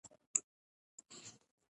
ځمکه حاصل ورکوي.